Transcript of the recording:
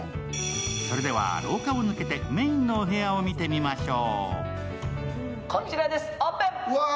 それでは、廊下を抜けてメインのお部屋を見てみましょう。